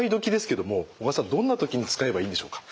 どんな時に使えばいいんでしょうか？